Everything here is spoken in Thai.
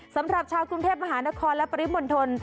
สำหรับชาวกรุงเทพมหานครและปริมณฑล